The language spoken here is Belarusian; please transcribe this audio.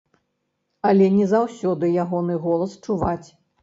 Але не заўсёды ягоны голас чуваць.